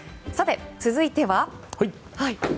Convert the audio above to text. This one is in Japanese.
続いては。